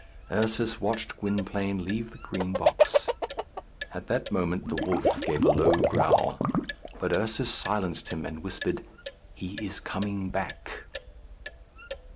Ursus watched Gwynplaine leave the Green Box. At that moment the wolf gave a low growl; but Ursus silenced him, and whispered, "He is coming back."